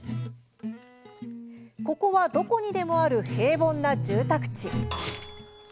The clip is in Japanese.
ここは、どこにでもある平凡な住宅地。